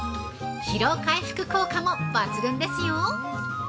疲労回復効果も抜群ですよ！